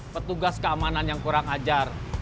petugas keamanan yang kurang ajar